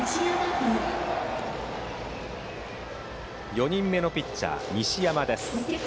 ４人目のピッチャー、西山です。